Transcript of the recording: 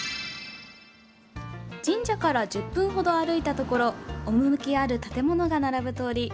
神社から１０分程歩いたところ趣きある建物が並ぶ通り。